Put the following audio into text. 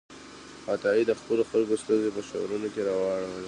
عطايي د خپلو خلکو ستونزې په شعرونو کې راواړولې.